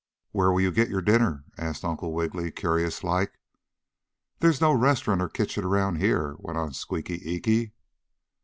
"Where will you get your dinner?" asked Uncle Wiggily, curious like. "There is no restaurant or kitchen around here," went on Squeaky Eeky.